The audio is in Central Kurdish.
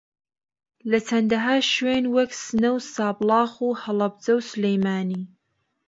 لە چەندەھا شوێن وەک سنە و سابڵاخ و ھەڵەبجە و سلێمانی